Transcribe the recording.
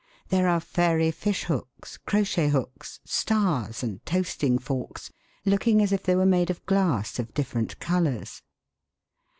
There are fairy fish hooks, crochet hooks, stars, and toasting forks, looking as if they were made of glass of different colours.